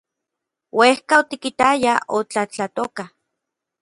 Uejka otikitayaj otlatlatoka.